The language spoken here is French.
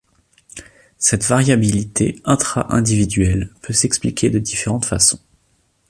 Cette variabilité intra-individuelle peut s'expliquer de différentes façons.